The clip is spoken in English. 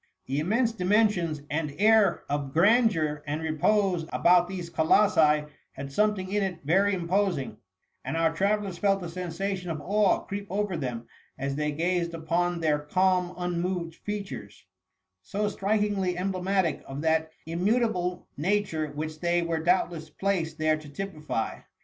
The immense dimensions and air of grandeur and repose about these colossi had something in it very imposing ; and our travellers felt a sensation of awe creep over them as they gazed upon their calm unmoved features, so strikmgly emblematic of that immu table nature which they were doubtless placed there to typify.